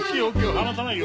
離さないよ。